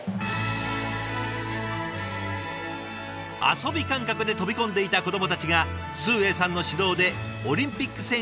遊び感覚で飛び込んでいた子どもたちが崇英さんの指導でオリンピック選手にまで成長する。